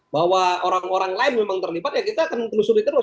bahwa orang orang lain memang terlibat ya kita akan telusuri terus